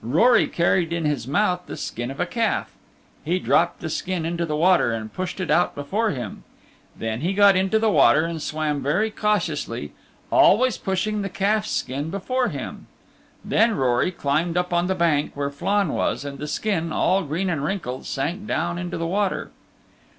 Rory carried in his mouth the skin of a calf. He dropped the skin into the water and pushed it out before him. Then he got into the water and swam very cautiously, always pushing the calf's skin before him. Then Rory climbed up on the bank where Flann was, and the skin, all green and wrinkled, sank down into the water.